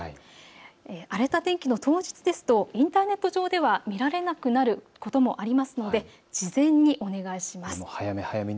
荒れた天気の当日ですとインターネット上では見られなくなることもありますので事前にお願いします。